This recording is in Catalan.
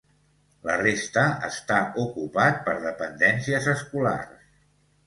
La resta està ocupat per dependències escolars.